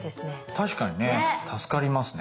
確かにね。助かりますね。